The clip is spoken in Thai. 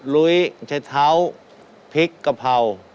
ลุยชะเท้าพริกกะเพรา